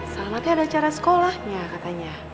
salamatnya ada acara sekolah ya katanya